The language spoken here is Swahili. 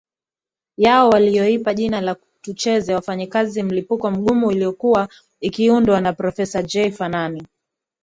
yao waliyoipa jina la Tucheze wafanyakazi mlipuko mgumu iliyokuwa ikiundwa na Profesa Jay Fanani